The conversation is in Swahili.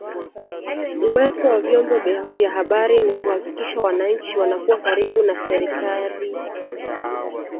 Uwepo wa vyombo vya habari ni kuhakikisha wananchi wanakuwa karibu na serikali yao